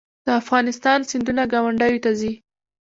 د افغانستان سیندونه ګاونډیو ته ځي